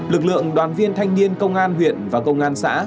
lực lượng đoàn viên thanh niên công an huyện và công an xã